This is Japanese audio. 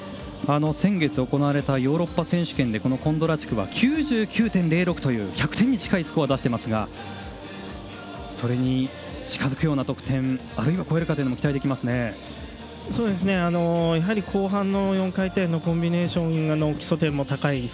先月、行われたヨーロッパ選手権でコンドラチュクは９９．０６という１００点に近いスコアを出していますがそれに近づくような得点あるいは超えるかというのもやはり後半の４回転のコンビネーションは基礎点も高い。